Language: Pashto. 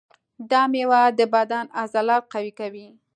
دا مېوه د بدن عضلات قوي کوي.